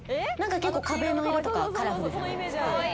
結構壁の色とかカラフルじゃないですか。